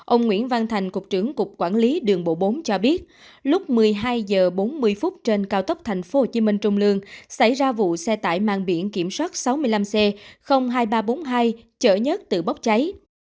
ông nguyễn văn thành cục trưởng cục quản lý đường bộ bốn cho biết lúc một mươi hai h bốn mươi phút trên cao tốc thành phố hồ chí minh trung lương xảy ra vụ xe tải mang biển kiểm soát sáu mươi năm xe hai nghìn ba trăm bốn mươi hai chở nhất từ bốc cháy